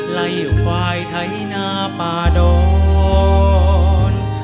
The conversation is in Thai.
ไล่ควายไถนาป่าดอน